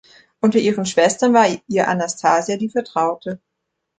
Unter ihren Schwestern war ihr Anastasia die Vertraute.